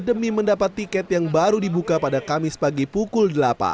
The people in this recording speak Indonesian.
demi mendapat tiket yang baru dibuka pada kamis pagi pukul delapan